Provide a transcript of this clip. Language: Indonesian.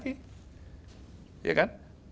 kita bersama lagi